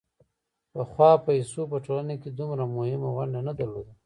پخوا پیسو په ټولنه کې دومره مهمه ونډه نه درلوده